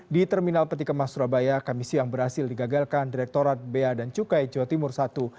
di terminal peti kemas surabaya kamisi yang berhasil digagalkan direkturat bea dan cukai jawa timur i